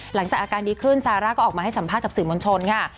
หลังจากอาการดีขึ้นซาร่าก็ออกมาให้สัมภาษณ์กับสื่อมวลชนค่ะ